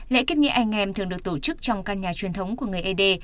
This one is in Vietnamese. lễ kết nghĩa anh em thường được tổ chức trong căn nhà truyền thống của người ế đê